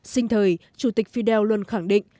sinh thời chủ tịch fidel luôn khẳng định